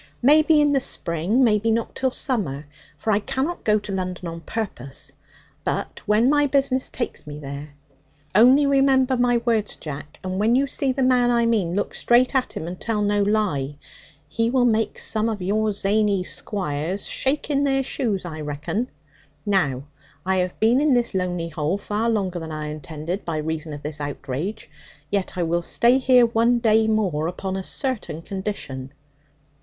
'Maybe in the spring, maybe not until summer, for I cannot go to London on purpose, but when my business takes me there. Only remember my words, Jack, and when you see the man I mean, look straight at him, and tell no lie. He will make some of your zany squires shake in their shoes, I reckon. Now, I have been in this lonely hole far longer than I intended, by reason of this outrage; yet I will stay here one day more upon a certain condition.'